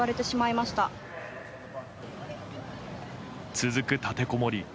続く立てこもり。